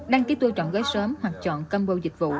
đăng ký tour chọn gói sớm hoặc chọn combo dịch vụ